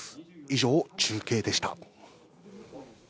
以上、中継でした。